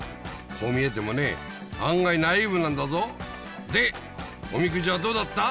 こう見えてもね案外ナイーブなんだぞでおみくじはどうだった？